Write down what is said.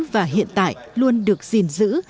và hiện tại luôn được gìn giữ